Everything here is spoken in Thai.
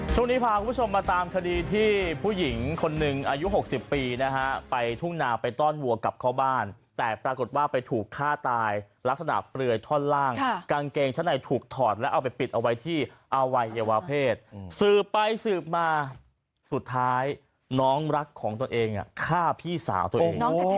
ช่วงนี้พาคุณผู้ชมมาตามคดีที่ผู้หญิงคนหนึ่งอายุ๖๐ปีนะฮะไปทุ่งนาไปต้อนวัวกลับเข้าบ้านแต่ปรากฏว่าไปถูกฆ่าตายลักษณะเปลือยท่อนล่างกางเกงชั้นในถูกถอดแล้วเอาไปปิดเอาไว้ที่อวัยวะเพศสืบไปสืบมาสุดท้ายน้องรักของตัวเองฆ่าพี่สาวตัวเอง